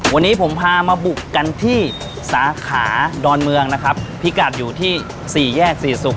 วันนี้ผมพามาบุกกันที่สาขาดอนเมืองนะครับพิกัดอยู่ที่สี่แยกสี่ศุกร์